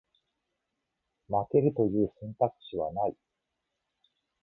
負けるという選択肢はない